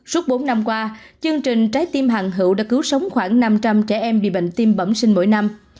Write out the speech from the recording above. suốt bốn năm qua chương trình trái tim hàng hữu đã cứu sống khoảng năm trăm linh trẻ em bị bệnh tim bẩm sinh mỗi năm